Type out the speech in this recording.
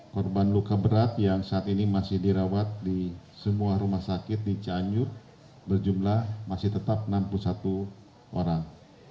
korban luka berat yang saat ini masih dirawat di semua rumah sakit di cianjur berjumlah masih tetap enam puluh satu orang